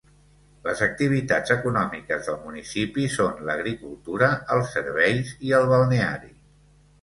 Les activitats econòmiques del municipi són l'agricultura, els serveis i el balneari.